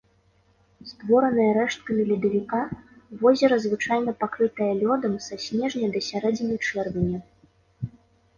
Створанае рэшткамі ледавіка, возера звычайна пакрытае лёдам са снежня да сярэдзіны чэрвеня.